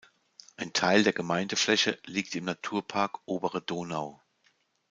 Ein Teil der Gemeindefläche liegt im Naturpark Obere Donau.